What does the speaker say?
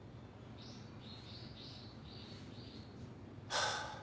ハァ。